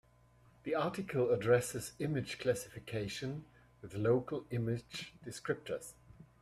The article addresses image classification with local image descriptors.